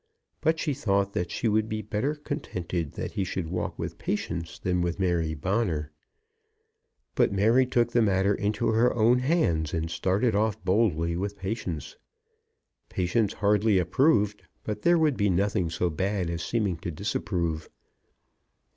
But she thought that she would be better contented that he should walk with Patience than with Mary Bonner. But Mary took the matter into her own hands, and started off boldly with Patience. Patience hardly approved, but there would be nothing so bad as seeming to disapprove.